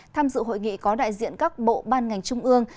tham dự hội nghị có đại diện các bộ ban ngành trung ương